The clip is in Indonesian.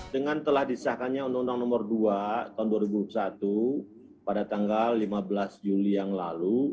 dengan telah disahkannya undang undang nomor dua tahun dua ribu satu pada tanggal lima belas juli yang lalu